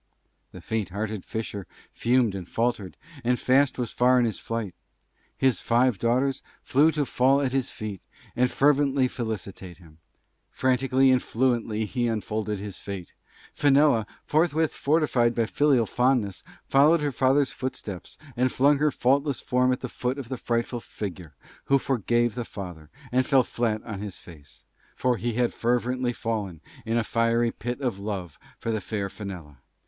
The Faint hearted Fisher Fumed and Faltered, and Fast was Far in his Flight. His Five daughters Flew to Fall at his Feet, and Fervently Felicitate him. Frantically and Fluently he unfolded his Fate; Fenella, Forthwith Fortified by Filial Fondness, Followed her Father's Footsteps, and Flung her Faultless Form at the Foot of the Frightful Figure, who Forgave the Father, and Fell Flat on his Face; For he had Fervently Fallen in a Fiery Fit of love For the Fair Fenella.